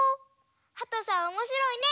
はとさんおもしろいね！